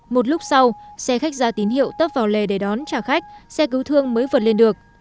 một lúc sau xe khách ra tín hiệu tấp vào lề để đón trả khách xe cứu thương mới vượt lên được